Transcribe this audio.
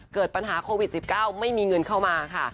เกิดปัญหาโควิด๑๙ไม่มีเงินเข้ามาค่ะ